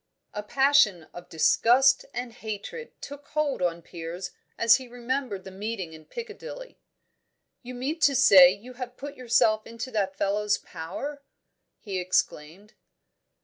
A passion of disgust and hatred took hold on Piers as he remembered the meeting in Piccadilly. "You mean to say you have put yourself into that fellow's power?" he exclaimed.